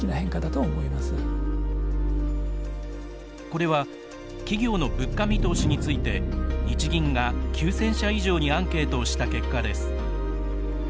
これは企業の物価見通しについて日銀が９０００社以上にアンケートをした結果です。